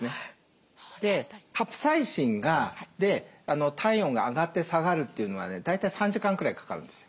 カプサイシンが体温が上がって下がるというのはね大体３時間くらいかかるんですよ。